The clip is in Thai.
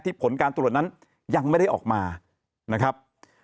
ผลการตรวจนั้นยังไม่ได้ออกมานะครับ